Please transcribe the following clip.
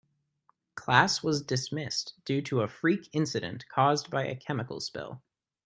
Class was dismissed due to a freak incident caused by a chemical spill.